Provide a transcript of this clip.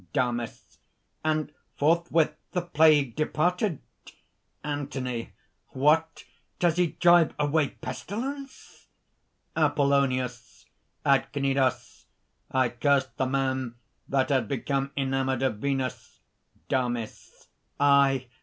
DAMIS. "And forthwith the plague departed." ANTHONY. "What! Does he drive away pestilence?" APOLLONIUS. "At Cnidos, I cured the man that had become enamored of Venus." DAMIS. "Aye!